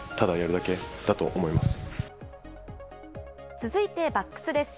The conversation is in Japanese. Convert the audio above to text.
続いてバックスです。